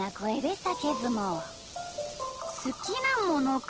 すきなものか。